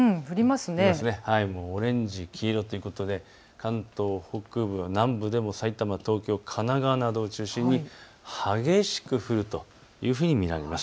オレンジ、黄色ということで関東北部、南部でも埼玉、東京、神奈川などを中心に激しく降るというふうに見られます。